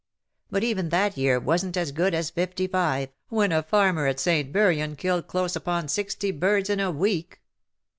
But even that year wasn^t as good as ^55, when a farmer at St. Buryan killed close upon sixty birds in a week.